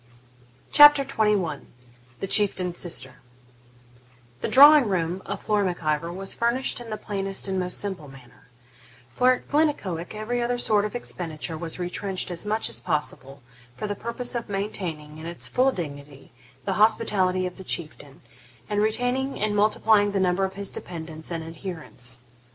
CHAPTER XXI THE CHIEFTAIN'S SISTER The drawing room of Flora Mac Ivor was furnished in the plainest and most simple manner; for at Glennaquoich every other sort of expenditure was retrenched as much as possible, for the purpose of maintaining, in its full dignity, the hospitality of the Chieftain, and retaining and multiplying the number of his dependants and adherents.